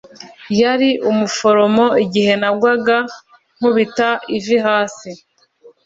yari umuforomo igihe nagwaga nkubita ivi.